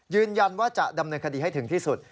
ยืนยันว่าจะดำเนินคดีให้ถึงที่สุด